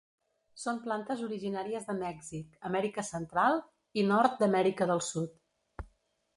Són plantes originàries de Mèxic, Amèrica Central, i nord d'Amèrica del Sud.